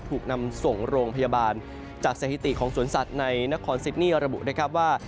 ถูกนำส่งโรงพยาบาลจากสถิติของสวนสัตว์ในนครซิดนี่ระบุนะครับว่า